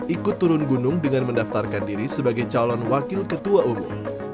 ikut turun gunung dengan mendaftarkan diri sebagai calon wakil ketua umum